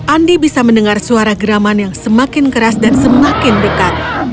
andi bisa mendengar suara geraman yang semakin keras dan semakin dekat